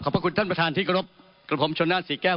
ขอบคุณท่านประธานที่กระรบกระรบผมชนนานสี่แก้ว